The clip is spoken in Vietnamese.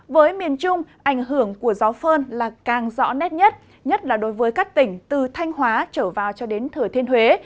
với miền trung ảnh hưởng của gió phơn là càng rõ nét nhất nhất là đối với các tỉnh từ thanh hóa trở vào cho đến thừa thiên huế